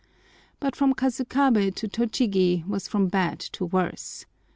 But from Kasukabé to Tochigi was from bad to worse.